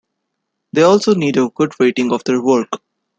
They also need a good rating of their work.